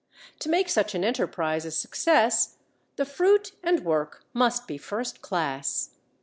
To make such an enterprise a success the fruit and work must be first class.